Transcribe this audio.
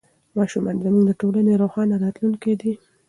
ماشومان زموږ د ټولنې روښانه راتلونکی دی.